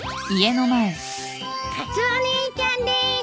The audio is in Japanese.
カツオ兄ちゃんです。